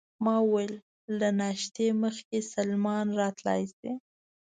ما وویل: له ناشتې مخکې سلمان راتلای شي؟